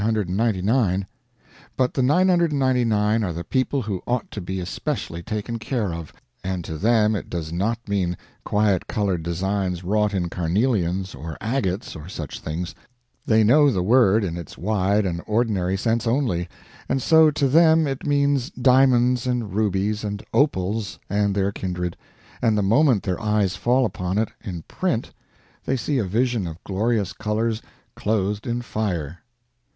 But the 999 are the people who ought to be especially taken care of, and to them it does not mean quiet colored designs wrought in carnelians, or agates, or such things; they know the word in its wide and ordinary sense only, and so to them it means diamonds and rubies and opals and their kindred, and the moment their eyes fall upon it in print they see a vision of glorious colors clothed in fire.